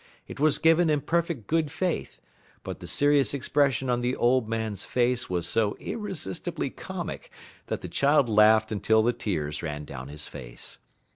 It was given in perfect good faith, but the serious expression on the old man's face was so irresistibly comic that the child laughed until the tears ran down his face.